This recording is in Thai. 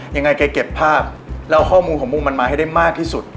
ยังไงแกเก็บภาพแล้วเอาข้อมูลของมุมมันมาให้ได้มากที่สุด